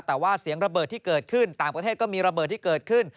แต่ว่าเสียงระเบิดที่เกิดขึ้นต่างประเทศก็มีระเบิดที่เกิดขึ้น